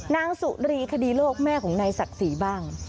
นางสุรีคดีโลกแม่ของนายศักดิ์ศรีบ้าง